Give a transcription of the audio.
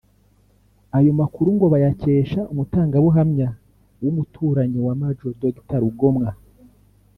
Ayo makuru ngo bayakesha umutangabuhamya w’umuturanyi wa Maj Dr Rugomwa